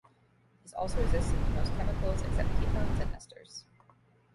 It is also resistant to most chemicals, except ketones and esters.